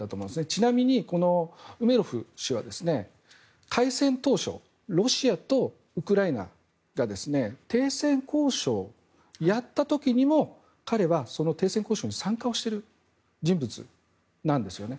ちなみにこのウメロフ氏は開戦当初ロシアとウクライナが停戦交渉をやった時にも彼はその停戦交渉に参加している人物なんですよね。